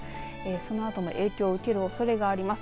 そのあとも影響受けるおそれがあります。